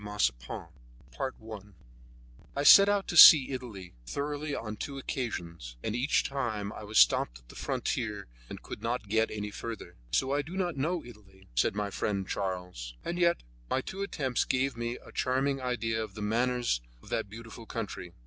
THE RONDOLI SISTERS I I set out to see Italy thoroughly on two occasions, and each time I was stopped at the frontier and could not get any further. So I do not know Italy, said my friend, Charles Jouvent. And yet my two attempts gave me a charming idea of the manners of that beautiful country.